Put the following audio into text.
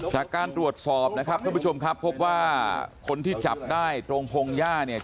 จากการตรวจสอบนะครับท่านผู้ชมครับพบว่าคนที่จับได้ตรงพงหญ้าเนี่ย